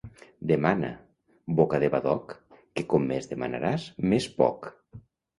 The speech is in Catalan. Demana, boca de badoc, que com més demanaràs, més poc.